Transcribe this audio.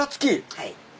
はい。